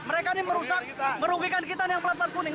mereka ini merusak merugikan kita nih yang pelantar kuning